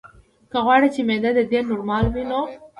که غواړې چې معده دې نورماله وي نو: